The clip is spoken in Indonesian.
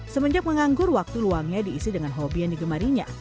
semenjak menganggur waktu luangnya diisi dengan hobi yang digemarinya